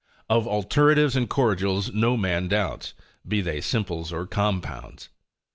Of alteratives and cordials no man doubts, be they simples or compounds.